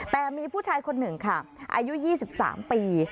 แต่มีผู้ชายคนหนึ่งค่ะอายุ๒๓ปี